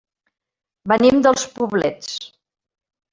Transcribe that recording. Venim dels Poblets.